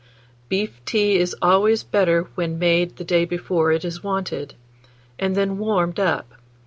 Beef tea is always better when made the day before it is wanted, and then warmed up.